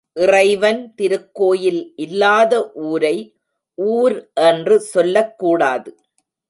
இறைவன் திருக்கோயில் இல்லாத ஊரை ஊர் என்று சொல்லக்கூடாது.